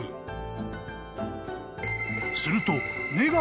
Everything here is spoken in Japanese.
［すると］